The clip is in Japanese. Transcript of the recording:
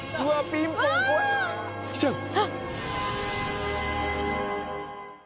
ピンポン怖い！来ちゃう！